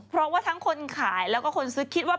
เพราะว่าทั้งคนขายแล้วก็คนซื้อคิดว่า